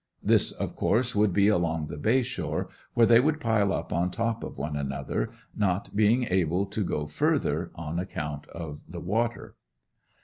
This, of course, would be along the Bay shore, where they would pile up on top of one another, not being able to go further, on account of the water.